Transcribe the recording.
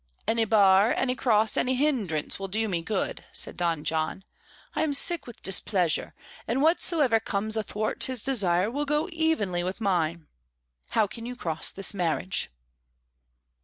"Any bar, any cross, any hindrance, will do me good," said Don John. "I am sick with displeasure, and whatsoever comes athwart his desire will go evenly with mine. How can you cross this marriage?"